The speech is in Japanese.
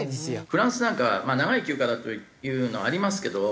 フランスなんかは長い休暇だというのはありますけど。